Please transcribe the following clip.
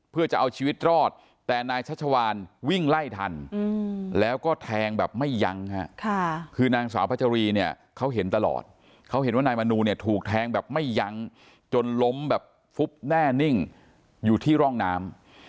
เพื่อจะเอาชีวิตรอดแต่นายชัชวานวิ่งไล่ทันแล้วก็แทงแบบไม่ยั้งฮะคือนางสาวพัชรีเนี่ยเขาเห็นตลอดเขาเห็นว่านายมนูเนี่ยถูกแทงแบบไม่ยั้งจนล้มแบบฟุบแน่นิ่งอยู่ที่ร่องน้ำ